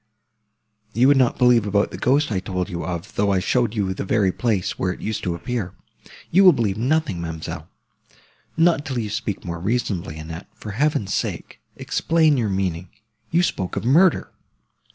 You would not believe about the ghost I told you of, though I showed you the very place, where it used to appear!—You will believe nothing, ma'amselle." "Not till you speak more reasonably, Annette; for Heaven's sake, explain your meaning. You spoke of murder!"